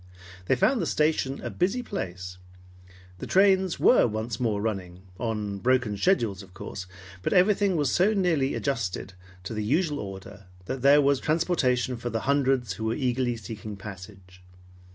They found the station a busy place. The trains were once more running, on broken schedules of course, but everything was so nearly adjusted to the usual order that there was transportation for the hundreds who were eagerly seeking passage.